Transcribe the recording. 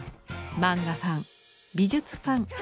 漫画ファン美術ファン